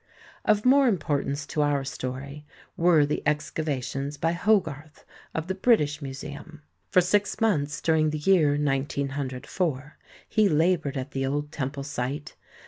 Of more importance to our story were the excavations by Hogarth of the British Museum. For six months during the year 1904, he laboured at the old temple site.